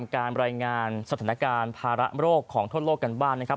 การรายงานสถานการณ์ภาระโรคของทั่วโลกกันบ้านนะครับ